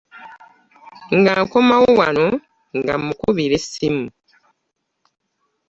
Nga nkomawo wano nga mmukubira essimu.